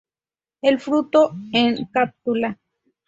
El fruto en cápsula.